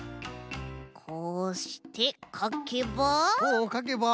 こうしてかけば。